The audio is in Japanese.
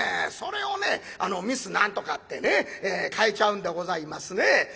それをねミス何とかってね変えちゃうんでございますね。